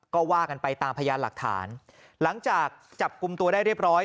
ก็ว่ากันไปตามพยานหลักฐานหลังจากจับกลุ่มตัวได้เรียบร้อย